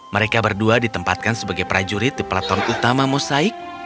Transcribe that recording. mereka berdua ditempatkan sebagai prajurit di pelaton utama mosaik